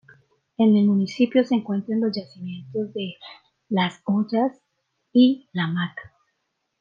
En el municipio se encuentran los yacimientos de ""Las hoyas"" y ""La mata"".